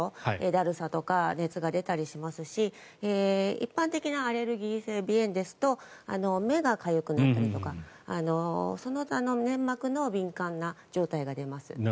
だるさとか熱が出たりしますし一般的なアレルギー性鼻炎ですと目がかゆくなったりとかその他の粘膜の敏感な状態が出ます。